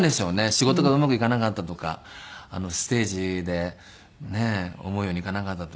仕事がうまくいかなかったとかステージでねえ思うようにいかなかったとか。